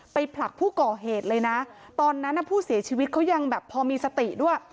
ผลักผู้ก่อเหตุเลยนะตอนนั้นผู้เสียชีวิตเขายังแบบพอมีสติด้วย